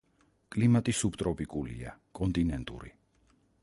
კლიმატი სუბტროპიკულია, კონტინენტური.